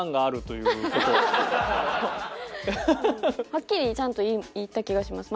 はっきりちゃんと言った気がします。